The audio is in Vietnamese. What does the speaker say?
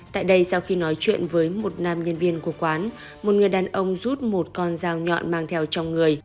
tại đây sau khi nói chuyện với một nam nhân viên của quán một người đàn ông rút một con dao nhọn mang theo trong người